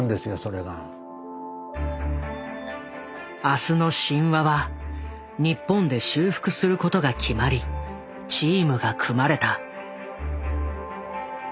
「明日の神話」は日本で修復することが決まりチームが組まれた。